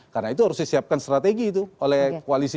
karena itu harus disiapkan strategi itu oleh koalisi